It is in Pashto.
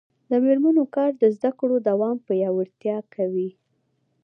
د میرمنو کار د زدکړو دوام پیاوړتیا کوي.